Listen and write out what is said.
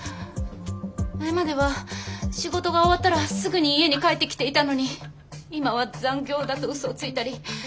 前までは仕事が終わったらすぐに家に帰ってきていたのに今は残業だとうそをついたり。